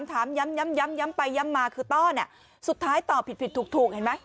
ถามย้ำย้ำไปย้ำมาคือต้อเนี่ยสุดท้ายตอบผิดผิดถูกเห็นไหม